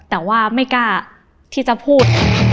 แต่ว่าไม่กล้าที่จะพูด